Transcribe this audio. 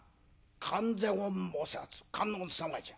「観世音菩観音様じゃ。